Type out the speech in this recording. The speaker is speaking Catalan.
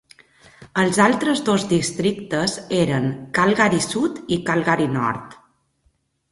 Els altres dos districtes eren Calgary Sud i Calgary Nord.